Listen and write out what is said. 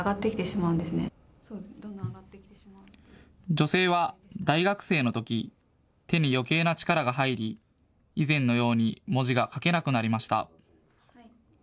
女性は大学生のとき、手に余計な力が入り以前のように文字が書けなくなりました。